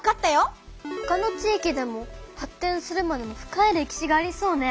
ほかの地域でも発展するまでの深い歴史がありそうね！